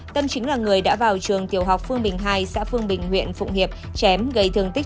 tâm chính là người đã vào trường tiểu học phương bình hai xã phương bình huyện phụng hiệp chém gây thương tích